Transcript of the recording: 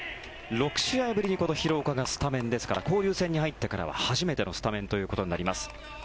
６試合ぶりに廣岡がスタメンですから交流戦に入ってからは初めてのスタメンということになります。